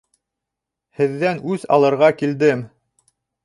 Һеҙҙән үс алырға килдем!